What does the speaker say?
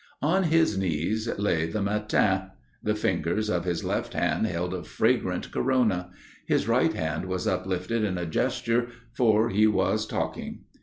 On his knees lay the Matin; the fingers of his left hand held a fragrant corona; his right hand was uplifted in a gesture, for he was talking.